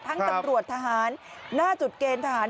ตำรวจทหารหน้าจุดเกณฑ์ทหาร